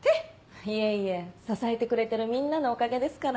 いえいえ支えてくれてるみんなのおかげですから。